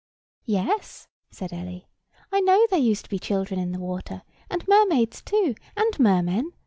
"Yes," said Ellie. "I know there used to be children in the water, and mermaids too, and mermen.